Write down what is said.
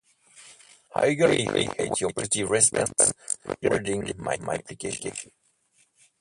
I eagerly await your positive response regarding my application.